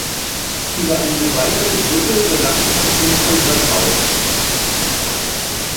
Über eine weitere Brücke gelangt man zum Kongresshaus.